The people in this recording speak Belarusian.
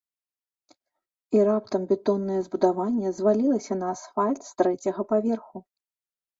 І раптам бетоннае збудаванне звалілася на асфальт з трэцяга паверху.